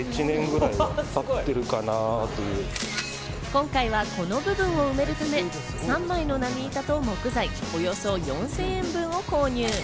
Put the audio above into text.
今回は、この部分を埋めるため３枚の波板と木材、およそ４０００円分を購入。